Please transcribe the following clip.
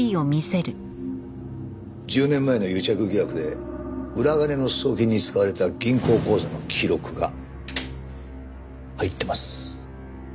１０年前の癒着疑惑で裏金の送金に使われた銀行口座の記録が入ってます。